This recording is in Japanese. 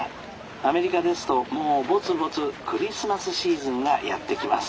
アメリカですともうぼつぼつクリスマスシーズンがやって来ます」。